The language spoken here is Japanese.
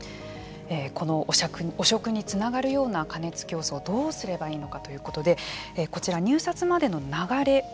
この汚職につながるような加熱競争をどうすればいいのかということでこちら入札までの流れ。